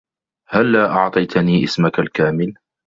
هلّا أعطيتني اسمك الكامل؟